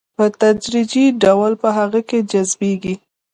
په تدريجي ډول په هغه کې جذبيږي.